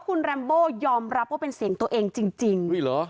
คุณแรมโบ้ยอมรับว่าเป็นเสียงตัวเองจริงจริงอุ้ยเหรอ